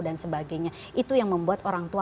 dan sebagainya itu yang membuat orang tua